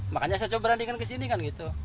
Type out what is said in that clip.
makanya saya coba nantikan kesini kan gitu